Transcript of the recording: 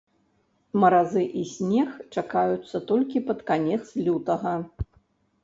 Маразы і снег чакаюцца толькі пад канец лютага.